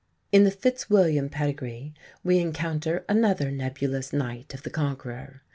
In the Fitzwilliam pedigree we encounter another nebulous knight of the Conqueror.